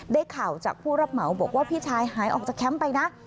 ได้ข่าวจากผู้รับเหมาบอกว่าพี่ชายหายออกจากแคมป์ไปนะ